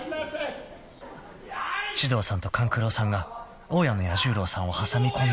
［獅童さんと勘九郎さんが大家の彌十郎さんを挟み込み］